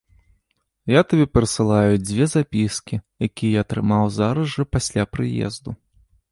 Я табе перасылаю дзве запіскі, якія я атрымаў зараз жа пасля прыезду.